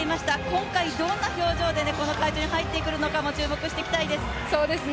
今回どんな表情でこの会場に入ってくるのかも注目したいです。